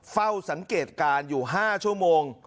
เฝ้าสังเกตการณ์อยู่๕ชั่วโมง